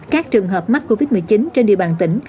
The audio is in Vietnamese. các trường hợp mắc covid một mươi chín trên địa bàn tỉnh